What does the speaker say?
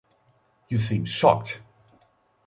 You seem shocked